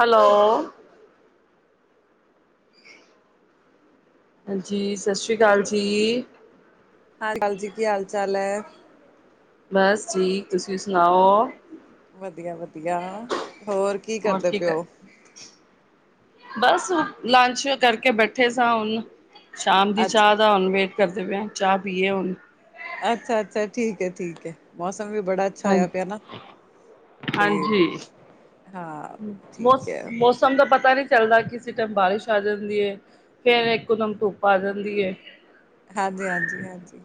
Hello ਹਾਂਜੀ ਸਤਿ ਸ਼੍ਰੀ ਅਕਾਲ ਜੀ ਸਤਿ ਸ੍ਰੀ ਅਕਾਲ ਜੀ ਕੀ ਹਾਲ ਚਾਲ ਹੈ ਬਸ ਠੀਕ ਤੁਸੀਂ ਸੁਣਾਓ ਵਧੀਆ ਵਧੀਆ ਹੋਰ ਕੀ ਹੋਰ ਕਰਦੇ ਕਰ ਪਿਓ ਬਸ ਲੰਚ ਕਰਕੇ ਬੈਠੇ ਸਾਂ ਹੁਣ ਸ਼ਾਮ ਦੀ ਅੱਛਾ ਚਾਹ ਦਾ ਹੁਣ ਵੇਟ ਕਰਦੇ ਪਏ ਹ ਚਾਹ ਪੀਏ ਹੁਣ ਅੱਛਾ ਅੱਛਾ ਠੀਕ ਹੈ ਠੀਕ ਹੈ ਮੌਸਮ ਵੀ ਬੜਾ ਅੱਛਾ ਹਾਂ ਹੋਇਆ ਪਿਆ ਨਾ ਤੇ ਹਾਂਜੀ ਹਾਂ ਠੀਕ ਹੈ ਮੌਸਮ ਦਾ ਪਤਾ ਨੀ ਚੱਲਦਾ ਕਿਸੇ ਟਮ ਬਾਰਿਸ਼ ਆ ਜਾਂਦੀ ਹੈ ਫੇਰ ਇੱਕੋ ਦਮ ਧੁੱਪ ਆ ਜਾਂਦੀ ਹੈ ਹਾਂਜੀ, ਹਾਂਜੀ, ਹਾਂਜੀ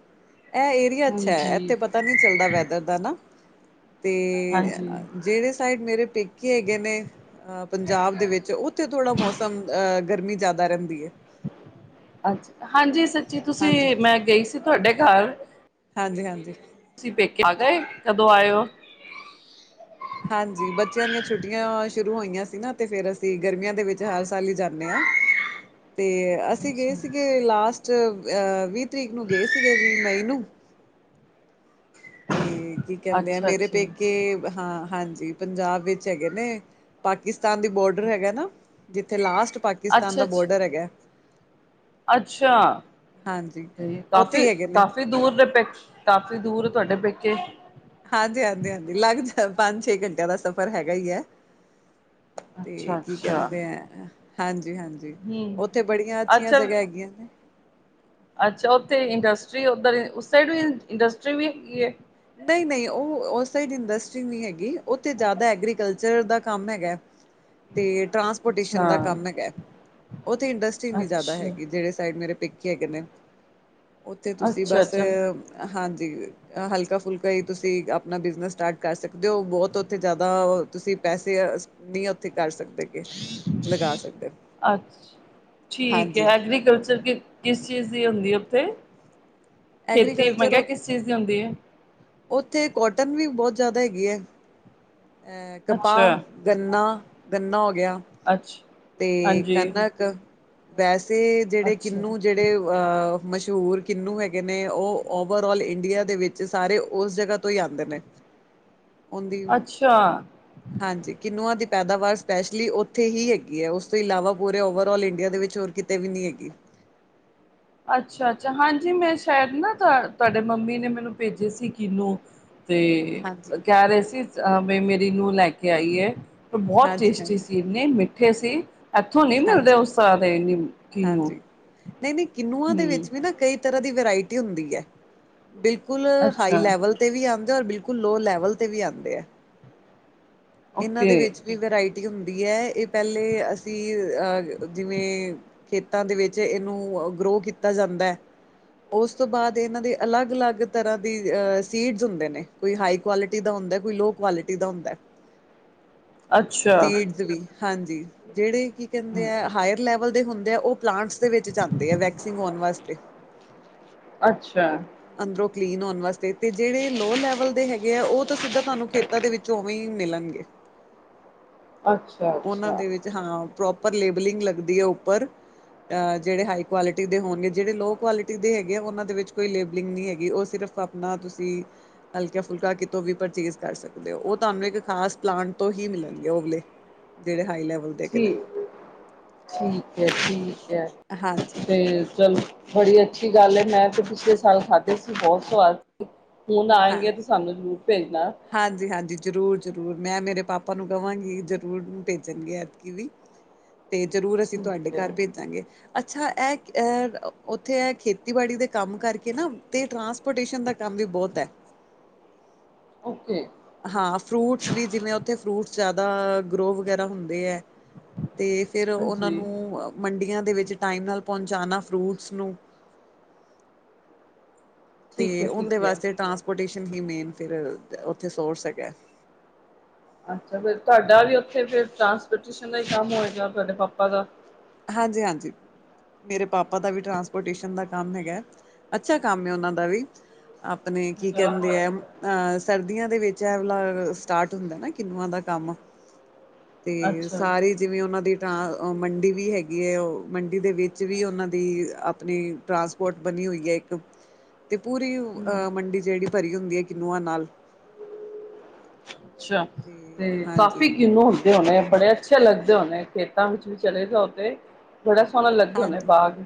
ਇਹ ਏਰੀਆ ਅੱਛਾ ਹੈ ਹਾਂਜੀ ਇੱਥੇ ਪਤਾ ਨੀ ਚੱਲਦਾ ਵੈਦਰ ਦਾ ਨਾ ਤੇ ਹਾਂਜੀ ਜਿਹੜੇ ਸਾਈਡ ਮੇਰੇ ਪੇਕੇ ਹੈਗੇ ਨੇ ਅਹ ਪੰਜਾਬ ਦੇ ਵਿੱਚ ਉੱਥੇ ਥੋੜਾ ਮੌਸਮ ਅਹ ਗਰਮੀ ਜਿਆਦਾ ਰਹਿੰਦੀ ਏ ਅੱ ਹਾਂਜੀ ਸੱਚੀ ਤੁਸੀਂ ਹਾਂਜੀ ਮੈਂ ਗਈ ਸੀ ਤੁਹਾਡੇ ਘਰ ਹਾਂਜੀ ਹਾਂਜੀ ਤੁਸੀਂ ਪੇਕੇ ਆ ਗਏ ਕਦੋਂ ਆਏ ਹੋ ਹਾਂਜੀ ਬੱਚਿਆਂ ਦੀਆਂ ਛੁੱਟੀਆਂ ਸ਼ੁਰੂ ਹੋਈਆਂ ਸੀ ਨਾ ਤੇ ਫੇਰ ਅਸੀਂ ਗਰਮੀਆਂ ਦੇ ਵਿੱਚ ਹਰ ਸਾਲ ਹੀ ਜਾਂਦੇ ਹਾਂ ਤੇ ਅਸੀਂ ਗਏ ਅੱਛਾ ਸੀਗੇ ਲਾਸਟ ਚ ਅਹ ਵੀਹ ਤਰੀਕ ਨੂੰ ਗਏ ਸੀਗੇ ਵੀਹ ਮਈ ਨੂੰ ਤੇ ਕੀ ਕਹਿੰਦੇ ਆ ਅੱਛਾ ਮੇਰੇ ਅੱਛਾ ਪੇਕੇ ਹਾਂ ਹਾਂਜੀ ਪੰਜਾਬ ਵਿੱਚ ਹੈਗੇ ਨੇ ਪਾਕਿਸਤਾਨ ਦੀ ਬੋਡਰ ਹੈਗਾ ਨਾ ਜਿੱਥੇ ਲਾਸਟ ਅੱਛਾ ਪਾਕਿਸਤਾਨ ਦਾ ਅੱਛਾ ਬੋਰਡਰ ਹੈਗਾ ਅੱਛਾ ਹਾਂਜੀ ਤੇ ਉੱਥੇ ਕਾਫ਼ੀ, ਹੀ ਹੈਗੇ ਨੇ। ਕਾਫ਼ੀ ਦੂਰ ਦੇ ਕਾਫੀ ਦੂਰ ਤੁਹਾਡੇ ਪੇਕੇ ਹਾਂਜੀ, ਹਾਂਜੀ, ਹਾਂਜੀ ਲੱਗ ਜਾ ਪੰਜ ਛੇ ਘੰਟਿਆਂ ਦਾ ਸਫ਼ਰ ਹੈਗਾ ਹੀ ਹੈ ਤੇ ਅੱਛਾ ਕੀ ਅੱਛਾ ਕਹਿੰਦੇ ਆ ਹਾਂਜੀ ਜ ਹਾਂਜੀ ਹਮ ਉੱਥੇ ਬੜੀਆਂ ਅੱਛੀਆਂ ਅੱਛਾ ਜਗ੍ਹਾ ਹੈਗੀਆਂ ਨੇ ਅੱਛਾ ਉੱਥੇ ਇੰਡਸਟਰੀ ਉਧਰ ਉਸ ਸਾਈਡ ਵੀ ਇੰਡਸਟਰੀ ਵੀ ਹੈਗੀ ਆ ਨਹੀਂ ਨਹੀਂ ਉਹ ਉਸ ਸਾਈਡ ਇੰਡਸਟਰੀ ਨਹੀਂ ਹੈਗੀ ਉੱਥੇ ਜ਼ਿਆਦਾ ਐਗਰੀਕਲਚ ਰ ਦਾ ਕੰਮ ਹੈਗਾ ਤੇ ਟਰਾਂਸਪੋਰਟੇਸ਼ਨ ਦਾ ਅੱਛਾ ਕੰਮ ਹੈਗਾ ਉੱਥੇ ਇੰਡਸਟਰੀ ਇੰਨੀ ਜ਼ਿਆਦਾ ਅੱਛਾ ਹੈਗੀ ਜਿਹੜੇ ਸਾਈਡ ਮੇਰੇ ਖੀ ਉੱਥੇ ਤੁਸੀਂ ਅੱਛਾ ਬਸ ਅੱਛਾ ਹਾਂਜੀ ਹਲਕਾ ਫੁਲਕਾ ਹੀ ਤੁਸੀਂ ਆਪਣਾ ਬਿਜ਼ਨਸ ਸਟਾਰਟ ਕਰ ਸਕਦੇ ਹੋ ਬਹੁਤ ਉੱਥੇ ਜ਼ਿਆਦਾ ਤੁਸੀਂ ਪੈਸੇ ਨਹੀਂ ਉੱਥੇ ਕਰ ਸਕਦੇ ਕਿ ਲਗਾ ਸਕਦੇ ਅੱਛ ਠੀਕ ਹਾਂਜੀ ਹੈ ਐਗਰੀਕਲਚਰ ਕਿਸ ਚੀਜ਼ ਦੀ ਹੁੰਦੀ ਹੈ ਉੱਥੇ ਖੇਤੀ ਮੈਂ ਐਗਰੀਕਲਚਰ ਕਿਹਾ ਕਿਸ ਚੀਜ਼ ਦੀ ਹੁੰਦੀ ਹੈ ਉੱਥੇ ਕੋਟਨ ਵੀ ਬਹੁਤ ਜ਼ਿਆਦਾ ਹੈਗੀ ਹੈ ਅਹ ਅੱਛਾ ਕਪਾਹ ਗੰਨਾ, ਗੰਨਾ ਹੋ ਗਿਆ ਅੱਛਾ ਤੇ ਹਾਂਜੀ ਕਣਕ ਵੈਸੇ ਜਿਹੜੇ ਅੱਛਾ ਕਿੰਨੂੰ ਜਿਹੜੇ ਅਹ ਮਸ਼ਹੂਰ ਕਿੰਨੂੰ ਹੈ ਨੇ ਉਹ ਓਵਰ ਆਲ ਇੰਡੀਆ ਦੇ ਵਿੱਚ ਸਾਰੇ ਉਸ ਜਗ੍ਹਾ ਤੋਂ ਹੀ ਆਉਂਦੇ ਨੇ ਉਹਦੀ ਅੱਛਾ ਹਾਂਜੀ ਕਿੰਨੂੰਆਂ ਦੀ ਪੈਦਾਵਾਰ ਸਪੈਸ਼ਲੀ ਉੱਥੇ ਹੀ ਹੈਗੀ ਹੈ ਉਸ ਤੋਂ ਇਲਾਵਾ ਪੂਰੇ ਓਵਰਲ ਇੰਡੀਆ ਦੇ ਵਿੱਚ ਹੋਰ ਕਿਤੇ ਵੀ ਨਹੀਂ ਹੈਗੀ ਹ ਅੱਛਾ ਅੱਛਾ ਹਾਂਜੀ ਮੈਂ ਸ਼ਾਇਦ ਨਾ ਤੁਹਾਡੇ ਮੰਮੀ ਨੇ ਮੈਨੂੰ ਭੇਜੇ ਸੀ ਕਿਨੂੰ ਤੇ ਹਾਂਜੀ ਕਹਿ ਰਹੇ ਸੀ ਮ ਮੇਰੀ ਨੂੰਹ ਲੈ ਕੇ ਆਈ ਹੈ ਪਰ ਬਹੁਤ ਹਾਂਜੀ ਟੇਸਟੀ ਹਾਂਜੀ ਸੀ ਇੰਨੇ ਮਿੱਠੇ ਸੀ ਇੱਥੋਂ ਨਈ ਮਿਲਦੇ ਹਾਂਜੀ ਉਸ ਤਰ ਦੇ ਨੀ ਕਿਨੂੰ ਓਨਾ ਦੇ ਹੂੰ ਵਿੱਚ ਵੀ ਨਾ ਕਈ ਤਰਾ ਦੀ ਵਰਾਇਟੀ ਹੁੰਦੀ ਹੈ। ਬਿਲਕੁਲ ਹਾਈ ਅੱਛਾ ਲੈਵਲ ਤੇ ਵੀ ਆਉਂਦੇ ਆ ਰ ਬਿਲਕੁਲ ਲੋ ਲੈਵਲ ਤੇ ਵੀ ਆਉਂਦੇ ਹ। ਇਹਨਾਂ ਓਕੇ ਦੇ ਵਿੱਚ ਵੀ ਵਰਾਇਟੀ ਹੁੰਦੀ ਹੈ ਇਹ ਪਹਿਲੇ ਅਸੀਂ ਅਹ ਜਿਵੇਂ ਖੇਤਾਂ ਦੇ ਵਿੱਚ ਇਹਨੂੰ ਗਰੋ ਕੀਤਾ ਜਾਂਦਾ ਹੈ ਓਸ ਤੋਂ ਬਾਅਦ ਇਹਨਾਂ ਦੇ ਅਲੱਗ- ਅਲੱਗ ਤਰਾ ਦੀ ਅ ਸੀਡਜ਼ ਹੁੰਦੇ ਨੇ ਕੋਈ ਹਾਈ ਕੁਆਲਿਟੀ ਦਾ ਹੁੰਦਾ ਕੋਈ ਲੋਹ ਕੁਆਲਿਟੀ ਦਾ ਹੁੰਦਾ ਹ। ਅੱਛਾ ਹਾਂਜੀ ਜਿਹੜੇ ਕੀ ਕਹਿੰਦੇ ਆ ਹਾਇਰ ਲੈਵਲ ਦੇ ਹੁੰਦੇ ਆ ਉਹ ਪਲਾਂਟਸ ਦੇ ਵਿੱਚ ਜਾਂਦੇ ਆ ਵੈਕਸਿੰਗ ਹੋਣ ਵਾਸਤੇ ਅੱਛਾ ਅੰਦਰੋਂ ਕਲੀਨ ਹੋਣ ਵਾਸਤੇ ਤੇ ਜਿਹੜੇ ਲੋ ਲੈਵਲ ਦੇ ਹੈਗੇ ਆ ਉਹ ਤਾਂ ਸਿੱਧਾ ਤੁਹਾਨੂੰ ਖੇਤਾਂ ਦੇ ਵਿੱਚ ਉਵੇਂ ਮਿਲਣਗੇ। ਉਹਨਾਂ ਅੱਛਾ-ਅੱਛਾ ਦੇ ਵਿੱਚ ਹਾਂ, ਪ੍ਰੋਪਰ ਲੇਬਲਿੰਗ ਲੱਗਦੀ ਹੈ ਉੱਪਰ ਅ ਜਿਹੜੇ ਹਾਈ ਕੁਆਲਿਟੀ ਦੇ ਹੋਣਗੇ ਜਿਹੜੇ ਲੋ ਕੁਆਲਿਟੀ ਦੇ ਹੈਗੇ ਆ ਉਹਨਾਂ ਦੇ ਵਿੱਚ ਕੋਈ ਲੇਬਲਿੰਗ ਨ ਹੈਗੀ ਉਹ ਸਿਰ ਸਿਰਫ ਆਪਣਾ ਤੁਸੀਂ ਹਲਕਾ ਫੁਲਕਾ ਕਿਤੋਂ ਵੀ ਪਰਚੇਜ਼ ਕਰ ਸਕਦੇ ਹੋ ਉਹ ਤੁਹਾਨੂੰ ਇੱਕ ਖਾਸ ਪਲਾਂਟ ਤੋਂ ਹੀ ਮਿਲਣਗੇ ਓਲੇ। ਜਿਹੜੇ ਹਾਈ ਲੈਵਲ ਠੀਕ, ਠੀਕ ਹੈ ਠੀਕ ਹੈ। ਹਾਂਜੀ ਤੇ ਚੱਲ ਬੜੀ ਅੱਛੀ ਗੱਲ ਹੈ ਮੈਂ ਤੇ ਪਿਛਲੇ ਸਾਲ ਖਾਧੇ ਸੀ ਬਹੁਤ ਸਵਾਦ ਸੀ ਹੁਣ ਆਏਂਗੇ ਤੇ ਸਾਨੂੰ ਜ਼ਰੂਰ ਭੇਜਣਾ ਹਾਂਜੀ, ਹਾਂਜੀ ਜ਼ਰੂਰ, ਜ਼ਰੂਰ ਮੈਂ ਮੇਰੇ ਪਾਪਾ ਨੂੰ ਕਹਾਂਗੀ ਜ਼ਰੂਰ ਭੇਜਣਗੇ ਐਤਕੀ ਵੀ ਤੇ ਜ਼ਰੂਰ ਅਸੀਂ ਤੁਹਾਡੇ ਠੀਕ ਹੈ ਘਰ ਭੇਜਾਂਗੇ ਅੱਛਾ ਇਹ ਉੱਥੇ ਇਹ ਖੇਤੀਬਾੜੀ ਦੇ ਕੰਮ ਕਰਕੇ ਨਾ ਤੇ ਟ੍ਰਾਂਸਪੋਰਟੇਸ਼ਨ ਦਾ ਕੰਮ ਵੀ ਬਹੁਤ ਹੈ। ਓਕੇ ਹਾਂ ਫਰੂਟਸ ਵੀ ਜਿਵੇਂ ਉੱਥੇ ਫਰੂਟਸ ਜ਼ਿਆਦਾ ਗਰੋ ਵਗੈਰਾ ਹੁੰਦੇ ਹੈ। ਤੇ ਫਿਰ ਉਹਨਾਂ ਹਾਂਜੀ ਨੂੰ ਮੰਡੀਆਂ ਦੇ ਵਿੱਚ ਟਾਈਮ ਨਾਲ ਪਹੁੰਚਾਣਾ ਫਰੂਟਸ ਨੂੰ ਠੀਕ ਤੇ ਹੈ ਉਹਦੇ ਠੀਕ ਹੈ ਵਾਸਤੇ ਟਰਾਂਸਪੋਰਟੇਸ਼ਨ ਹੀ ਮੇਨ ਫਿਰ ਉੱਥੇ ਸੋਰਸ ਹੈਗਾ ਅੱਛਾ ਫਿਰ ਤੁਹਾਡਾ ਵੀ ਉੱਥੇ ਫਿਰ ਟਰਾਂਸਪੋਰਟੇਸ਼ਨ ਦਾ ਹੀ ਕੰਮ ਹੋਏਗਾ ਤੁਹਾਡੇ ਪਾਪਾ ਦਾ ਹਾਂਜੀ, ਹਾਂਜੀ ਮੇਰੇ ਪਾਪਾ ਦਾ ਵੀ ਟਰਾਂਸਪੋਰਟੇਸ਼ਨ ਦਾ ਕੰਮ ਹੈਗਾ ਅੱਛਾ ਕੰਮ ਹੈ ਉਹਨਾਂ ਦਾ ਵੀ ਆਪਣੇ ਕੀ ਕਹਿੰਦੇ ਆ ਅਹ ਸਰਦੀਆਂ ਦੇ ਵਿੱਚ ਐਲਾ ਸਟਾਰਟ ਹੁੰਦਾ ਨਾ ਕਿੰਨੂਆਂ ਦਾ ਕੰਮ ਤੇ ਅੱਛਾ ਸਾਰੀ ਜਿਵੇਂ ਉਹਨਾਂ ਦੀ ਟਾਂ ਮੰਡੀ ਵੀ ਹੈਗੀ ਹੈ ਉਹ ਮੰਡੀ ਦੇ ਵਿੱਚ ਵੀ ਉਹਨਾਂ ਦੀ ਆਪਣੀ ਟਰਾਂਸਪੋਰਟ ਬਣੀ ਹੋਈ ਹੈ ਇੱਕ ਤੇ ਪੂਰੀ ਅਹ ਮੰਡੀ ਜਿਹੜੀ ਭਰੀ ਹੁੰਦੀ ਹੈ ਕਿਨੂੰਆਂ ਨਾਲ ਅੱਛਾ, ਤੇ ਕਾਫ਼ੀ ਕਿਨੂੰ ਹੁੰਦੇ ਹੋਣੇ- ਬੜੇ ਅੱਛੇ ਲੱਗਦੇ ਹੋਣੇ ਖੇਤਾਂ ਵਿੱਚ ਵੀ ਚਲੇ ਜਾ ਉਹ ਤੇ ਬੜਾ ਸੋਹਣਾ ਲੱਗਦੇ ਹੋਨੇ ਬਾਗ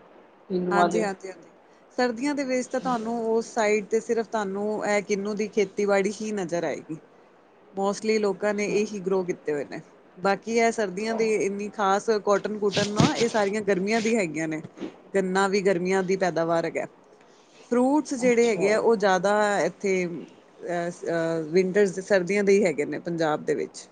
ਕਿਨੂੰਆਂ ਹਾਂਜੀ, ਦੇ ਹਾਂਜੀ, ਹਾਂਜੀ ਸਰਦੀਆਂ ਦੇ ਵਿੱਚ ਤਾਂ ਤੁਹਾਨੂੰ ਉਸ ਸਾਈਡ ਤੇ ਸਿਰਫ ਤੁਹਾਨੂੰ ਇਹ ਕਿੰਨੂੰ ਦੀ ਖੇਤੀਬਾੜੀ ਹੀ ਨਜ਼ਰ ਆਏਗੀ ਲਈ ਲੋਕਾਂ ਨੇ ਅੱਛਾ ਇਹੀ ਗਰੋ ਕੀਤੇ ਹੋਏ ਨੇ ਬਾਕੀ ਹੈ ਸਰਦੀਆਂ ਦੀ ਇੰਨੀ ਖਾਸ ਕੋਟਨ ਕੁਟਨ ਨਾ ਇਹ ਸਾਰੀਆਂ ਗਰਮੀਆਂ ਦੀ ਹੈਗੀਆਂ ਨੇ ਗੰਨਾ ਵੀ ਗਰਮੀਆਂ ਦੀ ਪੈਦਾਵਾਰ ਹਗਾ ਹੈ। ਫਰੂਟਸ ਜਿਹੜੇ ਅੱਛਾ ਹੈਗੇ ਆ ਉਹ ਜ਼ਿਆਦਾ ਇੱਥੇ ਅ ਵਿੰਟਰਸ ਸਰਦੀ ਦੇ ਹੈਗੇ ਨੇ ਪੰਜਾਬ ਦੇ ਵਿੱਚ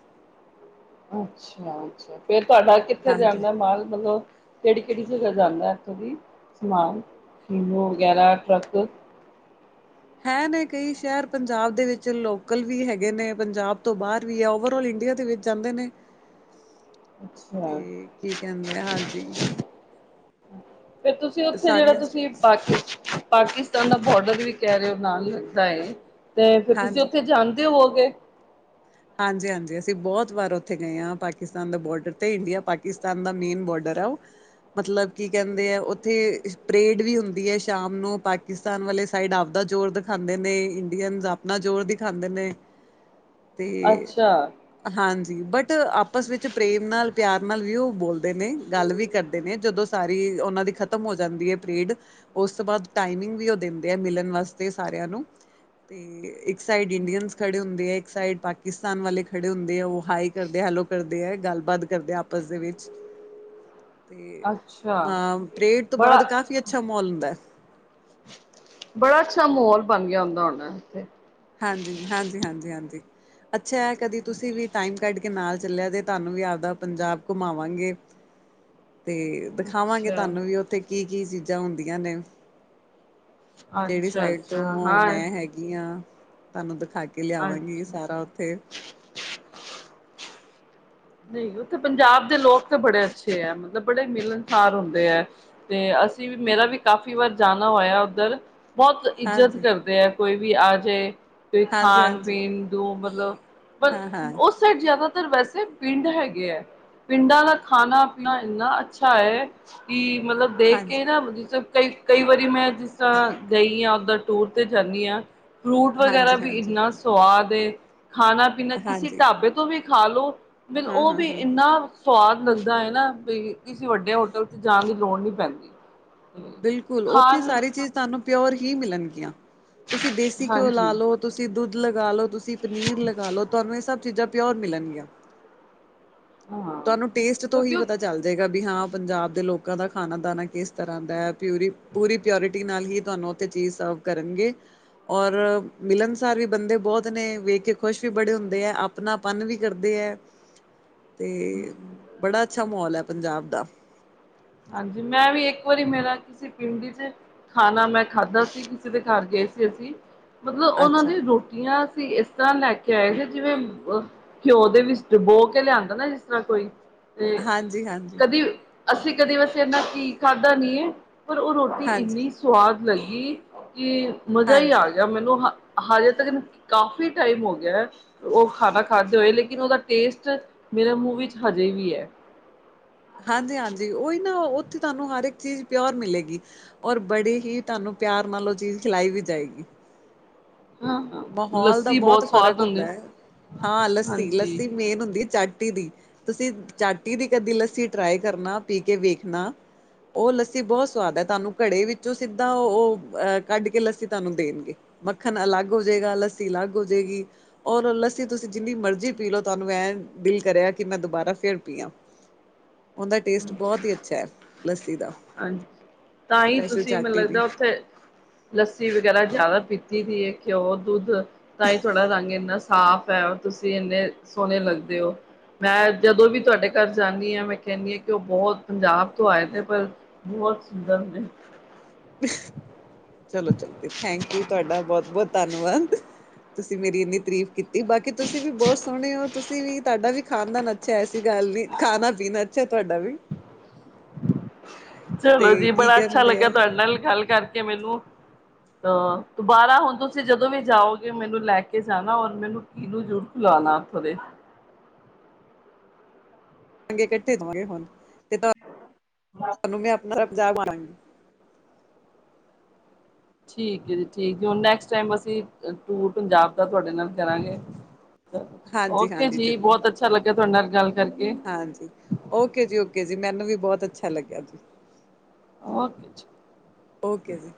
ਅੱਛਾ, ਅੱਛਾ ਫਿਰ ਤੁਹਾਡਾ ਕਿੱਥੇ ਹਾਂਜੀ ਜਾਂਦਾ ਮਾਲ ਮਤਲਬ ਕਿਹੜੀ, ਕਿਹੜੀ ਜਗਾ ਜਾਂਦਾ ਇੱਥੋਂ ਦੀ ਸਮਾਨ ਕੀਨੂ ਵਗੈਰਾ ਟਰੱਕ [inaudible] ਹੈ ਨੇ ।ਕਈ ਸ਼ਹਿਰ ਪੰਜਾਬ ਦੇ ਵਿੱਚ ਲੋਕਲ ਵੀ ਹੈਗੇ ਨੇ। ਪੰਜਾਬ ਤੋਂ ਬਾਹਰ ਵੀ ਹੈ ।ਓਵਰਆਲ ਇੰਡੀਆ ਦੇ ਜਾਂਦੇ ਨੇ ਅੱਛਾ ਤੇ, ਕੀ ਕਹਿੰਦੇ ਆ, ਹਾਂਜੀ। ਫਿਰ ਤੁਸੀਂ ਉੱਥੇ ਜਿਹੜਾ ਸਾਰੀਆਂ ਤੁਸੀ ਕ ਸਟੇਟਸ ਪਾਕੀ- ਪਾਕੀ ਤੁ ਬੋਡਰ ਵੀ ਕਹਿ ਰਹੇ ਹੋ ਨਾਲ ਲੱਗਦਾ ਏ ।ਤੇ ਫਿਰ ਤੁਸੀਂ ਹਾਂਜੀ ਉੱਥੇ ਜਾਂਦੇ ਹੋਗੇ। ਹਾਂਜੀ -ਹਾਂਜੀ ਅਸੀਂ ਬਹੁਤ ਵਾਰ ਉੱਥੇ ਹਾਂ ।ਪਾਕਿਸਤਾਨ ਦਾ ਬੋਡਰ ਤੇ ਇੰਡੀਆ ਪਾਕਿਸਤਾਨ ਦਾ ਮੇਨ ਬੋਰਡਰ ਰਾਓ ਮਤਲਬ ਕੀ ਕਹਿੰਦੇ ਨੇ ।ਉੱਥੇ ਪਰੇਡ ਵੀ ਹੁੰਦੀ ਹੈ ਸ਼ਾਮ ਨੂੰ। ਪਾਕਿਸਤਾਨ ਵਾਲੇ ਸਾਈਡ ਆਪਦਾ ਦਾ ਜ਼ੋਰ ਦਿਖਾਂਦੇ ਨੇ ਇੰਡੀਅਨ ਆਪਣਾ ਜ਼ੋਰ ਦਿਖਾਉਂਦੇ ਨੇ। ਤੇ ਅੱਛਾ ਹਾਂਜੀ, ਬਟ ਆਪਸ ਵਿੱਚ ਪ੍ਰੇਮ ਨਾਲ ਪਿਆਰ ਨਾਲ ਵੀ ਉਹ ਬੋਲ ਨੇ ਗੱਲ ਵੀ ਕਰਦੇ ਨੇ ਜਦੋਂ ਸਾਰੀ ਉਹਨਾਂ ਦੀ ਖ਼ਤਮ ਹੋ ਜਾਂਦੀ ਹੈ। ਪਰੇਡ ਉਸ ਤੋਂ ਬਾਅਦ ਟਾਈਮਿੰਗ ਵੀ ਉਹ ਦਿੰਦੇ ਆ ਮਿਲਣ ਵਾਸਤੇ। ਸਾਰੀ ਨੂੰ ਤੇ ਇੱਕ ਸਾਈਡ ਇੰਡੀਅਨ ਖੜੇ ਹੁੰਦੇ ਆ ।ਇੱਕ ਸਾਈਡ ਪਾਕਿਸਤਾਨ ਵਾਲੇ ਖੜੇ ਹੁੰਦੇ ਏ। ਉਹ ਹਾਏ ਕਰਦੇ ਹੈਲੋ ਕਰਦੇ ਹੈ। ਗੱਲਬਾਤ ਕਰਦੇ ਆਪਸ ਦੇ ਵਿੱਚ ਤੇ ਅੱਛਾ ਅਹ ਪਰੇਡ ਤੋਂ ਬੜਾ ਬਾਅਦ ਕਾਫੀ ਅੱਛਾ ਮਾਹਲ ਹੁੰਦਾ ਹੈ। ਬੜਾ ਅੱਛਾ ਮੋਲ ਬਣ ਗਿਆ ਹੁੰਦਾ ਹੁੰਦਾ। ਹਾਂਜੀ -ਹਾਂਜੀ -ਹਾਂਜੀ -ਹਾਂਜੀ ਝ ਕਦੀ ਤੁਸੀਂ ਵੀ ਟਾਈਮ ਕੱਢ ਕੇ ਨਾਲ ਚੱਲਿਆ ਤੇ, ਤੁਹਾਨੂੰ ਵੀ ਆਪਦਾ ਪੰਜਾਬ ਘੁਮਾਵਾਂਗੇ। ਤੇ ਦਿਖਾਵਾਂਗੇ ਅੱਛਾ ।ਤੁਹਾਨੂੰ ਵੀ ਉੱਥੇ ਕੀ ਕੀ ਚੀਜ਼ਾਂ ਹੁੰਦੀਆਂ ਨੇ। ਜਿਹੜੀ ਅੱਛਾ ਸਾਈਡ ਅੱਛਾ ਤੋਂ ਹਾਂ ਮੈਂ ਹੈਗੀ ਹਾਂ। ਤੁਹਾਨੂੰ ਦਿਖਾ ਕੇ ਲਿਆਵਾਂਗੀ ਅੱਛਾ ।ਸਾਰਾ ਉੱਥੇ ਨਹੀਂ, ਉੱਥੇ ਪੰਜਾਬ ਦੇ ਲੋਕ ਤਾਂ ਬੜੇ ਅੱਛੇ ਹੈ ।ਮਤਲਬ ਬੜੇ ਮਿਲਣਸਾਰ ਹੁੰਦੇ ਹੈ ਤੇ ਅਸੀਂ ਵੀ ਮੇਰਾ ਵੀ ਕਾਫ਼ੀ ਵਾਰ ਜਾਣਾ ਹੋਇਆ ਉੱਧਰ ਬਹੁਤ ਇੱਜਤ ਹਾਂਜੀ, ਕਰਦੇ ਹੈ ।ਕੋਈ ਵੀ ਆ ਜਾਏ ਕੋਈ ਹਾਂਜੀ, ਖਾਣ ਹਾਂਜੀ, ਪੀਣ ਨੂੰ ਮਤਲਬ ਪਰ ਹਾਂ, ਹਾਂ, ਉਸ ਸਾਈਡ ਜ਼ਿਆਦਾਤਰ ਵੈਸੇ ਪਿੰਡ ਹੈਗੇ ਹੈ। ਪਿੰਡਾਂ ਦਾ ਖਾਣਾ ਪੀਣਾ ਇੰਨਾ ਅੱਛਾ ਹੈ ।ਕਿ ਮਤਲਬ ਦੇਖ ਕੇ ਹਾਂਜੀ। ਨਾ ਜੇ ਕਈ- ਕਈ ਵਾਰੀ ਮੈਂ ਜਿਸ ਤਰ੍ਹਾਂ ਗਈ ਹਾਂ ।ਉਧਰ ਟੂਰ ਤੇ ਜਾਂਦੀ ਹਾਂ। ਫਰੂਟ ਵਗੈਰਾ ਹਾਂਜੀ, ਵੀ ਹਾਂਜੀ, ਇਨਾ ਸਵਾਦ ਏ। ਖਾਣਾ ਪੀਣਾ ਕਿਸੇ ਹਾਂਜੀ, ਢਾਬੇ ਤੋਂ ਵੀ ਖਾ ਲਓ ਹਾਂ, ।ਉਹ ਹਾਂ, ਵੀ ਹਾਂ। ਇੰਨਾ ਸਵਾਦ ਲੱਗਦਾ ਹੈ ।ਨਾ ਬਈ ਕਿਸੇ ਵੱਡੇ ਹੋਟਲ ਤੇ ਜਾਣ ਦੀ ਲੋੜ ਨਹੀਂ ਪੈਂਦੀ। ਬਿਲਕੁਲ, ਉੱਥੇ ਖਾਣ ਸਾਰੀ ਚੀਜ਼ ਤੁਹਾਨੂੰ ਪਿਓਰ ਹੀ ਮਿਲਣਗੀਆਂ। ਤੁਸੀਂ ਦੇਸੀ ਘਿਓ ਲਗਾ ਹਾਂਜੀ ਲੋ, ਤੁਸੀਂ ਦੁੱਧ ਲਗਾ ਲੋ, ਤੁਸੀਂ ਪਨੀਰ ਲਗਾ ਲਓ, ਤੁਹਾਨੂੰ ਇਹ ਸਭ ਚੀਜ਼ਾਂ ਪਿਓਰ ਮਿਲਣਗੀਆਂ ਤੁਹਾਨੂੰ ਟੇਸਟ ਹਾਂ ਤੋਂ ਹੀ ਕਿਉਂਕਿ ਪਤਾ ਚੱਲ ਜਾਏਗਾ। ਵੀ ਹਾਂ ਪੰਜਾਬ ਦੇ ਲੋਕ ਲੋਕਾਂ ਦਾ ਖਾਣਾ, ਦਾਣਾ ਕਿਸ ਤਰ੍ਹਾਂ ਦਾ ਪਿ ਪੂਰੀ ਪਿਓਰਟੀ ਨਾਲ ਹੀ ਤੁਹਾਨੂੰ ਉੱਥੇ ਚੀਜ਼ ਸਰਵ ਕਰਨਗੇ। ਔਰ ਮਿਲਣਸਾਰ ਵੀ ਬੰਦੇ ਬਹੁਤ ਨੇ ਵੇਖ ਕੇ ਖੁਸ਼ ਵੀ ਬੜੇ ਹੁੰਦੇ ਹੈ। ਆਪਣਾ ਪਨ ਵੀ ਕਰਦੇ ਤੇ ਬੜਾ ਅੱਛਾ ਮਾਹੌਲ ਹੈ ਪੰਜਾਬ ਦਾ ਹਾਂ ਜੀ! ਮੈਂ ਵੀ ਇੱਕ ਵਾਰੀ ਮੇਰਾ ਕਿਸੇ ਪਿੰਡੀ ਚ ਖਾਣਾ ਮੈਂ ਖਾਧਾ ਸੀ ।ਕਿਸੇ ਦੇ ਘਰ ਕੇ ਕਿਥੇ ਸੀ । ਮਤਲਬ ਉਹਨਾਂ ਦੀ ਅੱਛਾ ਰੋਟੀਆਂ ਅਸੀ ਇਸ ਤਰ੍ਹਾਂ ਲੈ ਕੇ ਆਏ ਸੀ। ਜਿਵੇਂ ਘਿਓ ਦੇ ਵਿੱਚ ਡਬੋ ਕੇ ਲਿਆਂਦਾ ਨਾ ਜਿਸ ਤਰ੍ਹਾਂ ਕੋਈ। ਤੇ ਹਾਂਜੀ, ਹਾਂਜੀ, ਕਦੀ ਅਸੀਂ ਕਦੇ ਵੈਸੇ ਇਨਾ ਘੀ ਖਾਧਾ ਨੀ ਹੈ ।ਪਰ ਉਹ ਰੋਟੀ ਹਾਂਜੀ, ਇੰਨੀ ਸਵਾਦ ਲੱਗੀ। ਕਿ ਮਜ਼ਾ ਹੀ ਆ ਹਾਂਜੀ। ਗਿਆ। ਮੈਨੂੰ ਹਲੇ ਤੱਕ ਕਾਫੀ ਟਾਈਮ ਹੋ ਗਿਆ। ਉਹ ਖਾਣਾ ਖਾਦੇ ਹੋਏ ਲੇਕਿਨ ਉਹਦਾ ਟੇਸਟ ਮੇਰਾ ਮੂੰਹ ਵਿੱਚ ਹਜੇ ਵੀ ਹੈ ਹਾਂਜੀ, ਹਾਂਜੀ ਉਹੀ ਨਾ ਉੱਥੇ ਤੁਹਾਨੂੰ ਹਰ ਇੱਕ ਚੀਜ਼ ਪਿਓਰ ਮਿਲੇਗੀ। ਔਰ ਬੜੀ ਹੀ ਤੁਹਾਨੂੰ ਪਿਆਰ ਨਾਲ ਉਹ ਚੀਜ਼ ਖਿਲਾਈ ਵੀ ਜਾਏਗੀ ਹਾਂ ਹਾਂ ਮੋਹੌਲ ਦਾ ਲੱਸੀ ਬੋਤ ਬਹੁਤ ਸਵਾਦ ਫ਼ਰਕ ਹੁੰਦੀ ਹੁੰਦਾ ਏ, ਹਾਂ ਲੱਸੀ ਹਾਂਜੀ ਲੱਸੀ ਮੇਨ ਹੁੰਦੀ ਚੱ ਦੀ ਤੁਸੀਂ ਚਾਟੀ ਦੀ ਕਦੀ ਲੱਸੀ ਟ੍ਰਾਈ ਕਰਨਾ, ਪੀ ਕੇ ਵੇਖਣਾ ਉਹ ਲੱਸੀ ਬੋਤ ਸਵਾਦ ਏ, ਤਾਨੂੰ ਕੜੇ ਵਿੱਚੋਂ ਸਿੱਧਾ ਉਹ ਅਹ ਕੱਢ ਕੇ ਲੱਸੀ ਤਾਨੂੰ ਦੇਣਗੇ। ਮੱਖਣ ਅਲੱਗ ਹੋ ਜੇਗਾ ਲੱਸੀ ਅਲੱਗ ਹੋ ਜੇਗੀ, ਔਰ ਲੱਸੀ ਤੁਸੀਂ ਜਿੰਨੀ ਮਰਜ਼ੀ ਪੀ ਲੋ, ਤੁਹਾਨੂੰ ਐਂ ਦਿਲ ਕਰਿਆ ਕਿ ਮੈਂ ਦੁਬਾਰਾ ਫੇਰ ਪੀਆ ਉੰਦਾ ਟੇਸਟ ਹਾਂਜੀ ਬੋਤ ਹੀ ਅੱਛਾ ਹੈ, ਲੱਸੀ ਦਾ। ਹਾਂਜੀ ਤਾਂ ਹੀ, ਸਪੈਸ਼ਲ ਤੁਸੀਂ ਮੈਨੂੰ ਚਾਟੀ ਦੀ ਲੱਗਦਾ ਉੱਥੇ ਲੱਸੀ ਵਗੈਰਾ ਜ਼ਿਆਦਾ ਪੀਤੀ ਦੀ ਏ, ਕਿਓ ਦੁੱਧ ਤਾਂਈ ਤੁਆਡਾ ਰੰਗ ਇੰਨਾ ਸਾਫ ਹੈ, ਤੁਸੀਂ ਇੰਨੇ ਸੋਹਣੇ ਸਕਦੇ ਹੋ, ਮੈਂ ਜਦੋਂ ਵੀ ਤੁਆਡੇ ਘਰ ਜਾਂਨੀ ਆ, ਮੈਂ ਕਹਿੰਦੀ ਆ ਔ ਬਹੋਤ ਪੰਜਾਬ ਤੋਂ ਆਏ ਨੇ ਪਰ ਬੋਤ ਸੁੰਦਰ ਨੇ। ਚਲੋ ਚਲੋ, ਥੈਂਕ ਯੂ ਤੁਆਡਾ ਬੋਤ ਬੋਤ ਧੰਨਵਾਦ। ਤੁਸੀਂ ਮੇਰੀ ਇੰਨੀ ਤਰੀਫ਼ ਕੀਤੀ, ਬਾਕੀ ਤੁਸੀਂ ਵੀ ਬੋਤ ਸੋਣੇ ਔ। ਤੁਸੀਂ ਵੀ ਤਾੱਡਾ ਵੀ ਖਾਨਦਾਨ ਅੱਛਾ ਅ, ਐਸੀ ਗੱਲ ਨੀ ਖਾਣਾ ਪੀਣਾ ਅੱਛਾ ਤਾੱਡਾ ਵੀ। ਚਲੋ ਤੇ ਜੀ, ਕੀ ਬੜਾ ਅੱਛਾ ਕਹਿੰਦੇ ਲੱਗਿਆ ਆ ਤੁਆਡੇ ਨਾਲ ਗੱਲ ਕਰਕੇ ਮੈਨੂੰ ਦੁਬਾਰਾ ਹੁਨ ਤੁਸੀਂ ਜਦੋਂ ਵੀ ਜਾਓਗੇ, ਮੈਨੂੰ ਲੈ ਕੇ ਜਾਣਾ ਔਰ ਮੈਨੂੰ ਕਿਨੂੰ ਜ਼ਰੂਰ ਨਾ ਉੱਥੋਂ ਦੇ ਚੰਗੇ ਇਕੱਠੇ ਦਵਾਂਗੇ ਹੁਣ, ਤੇ ਤੁਾਨੂੰ ਮੈਂ ਅਪਣਾ [inaudible] ਠੀਕ ਏ ਜੀ ਠੀਕ ਏ, ਹੁਣ ਨੈਕਸਟ ਟੈਮ ਅਸੀਂ ਟੂਰ ਪੰਜਾਬ ਦਾ ਤੁਆਡੇ ਨਾਲ ਕਰਾਂਗੇ। ਹਾਂਜੀ ਔਕੇ ਹਾਂਜੀ ਜੀ, ਜ਼ਰੂਰ ਬੋਤ ਅੱਛਾ ਲੱਗਿਆ ਤੁਆਡੇ ਨਾਲ ਗੱਲ ਕਰਕੇ ਹਾਂਜੀ ਔਕੇ ਜੀ ਔਕੇ ਜੀ, ਮੈਨੂੰ ਵੀ ਬੋਤ ਅੱਛਾ ਲੱਗਿਆ ਜੀ। ਔਕੇ ਜੀ। ਔਕੇ ਜੀ।